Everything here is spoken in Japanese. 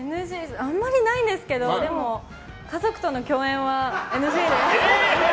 あんまりないですけどでも、家族との共演はえー！